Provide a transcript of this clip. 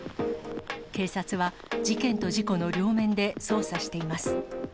警察は、事件と事故の両面で捜査しています。